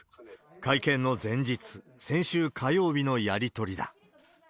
会見の前日、先週火曜日のやり取りだ。